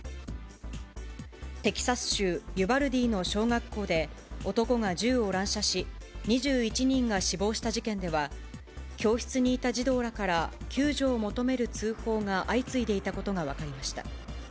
テキサス州ユバルディの小学校で、男が銃を乱射し、２１人が死亡した事件では、教室にいた児童らから、救助を求める通報が相次いでいたことが分かりました。